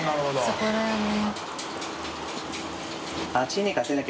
そこだよね。